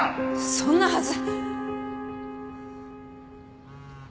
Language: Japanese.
そんなはず！